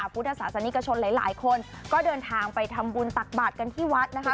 พุทธศาสนิกชนหลายคนก็เดินทางไปทำบุญตักบาทกันที่วัดนะคะ